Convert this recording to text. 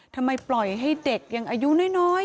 ทำไมปล่อยให้เด็กยังอายุน้อย